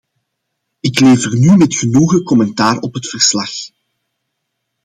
Ik lever nu met genoegen commentaar op het verslag.